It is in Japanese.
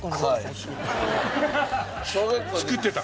作ってた？